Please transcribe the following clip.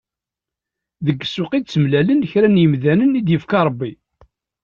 Deg ssuq i d-ttemlilin kra n yimdanen i d-yefka Rebbi.